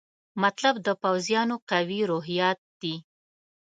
مطلب د پوځیانو قوي روحیات دي.